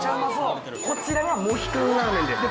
こちらは「モヒカンラーメン」です。